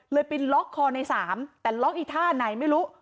ไปล็อกคอในสามแต่ล็อกอีท่าไหนไม่รู้